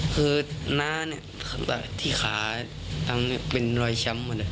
คือหน้าเนี่ยที่ขาตรงเนี่ยเป็นรอยช้ำอ่ะเนี่ย